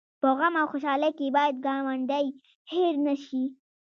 په غم او خوشحالۍ کې باید ګاونډی هېر نه شي